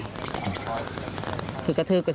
ใช่ปลุกเข้ามาแล้วเขาก็กระทืบเลย